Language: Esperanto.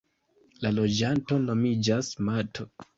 La loĝanto nomiĝas "mato".